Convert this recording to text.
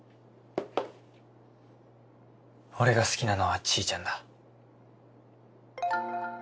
俺が好きなのはちーちゃんだ。